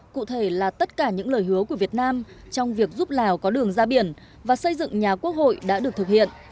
cụ thể là tất cả những lời hứa của việt nam trong việc giúp lào có đường ra biển và xây dựng nhà quốc hội đã được thực hiện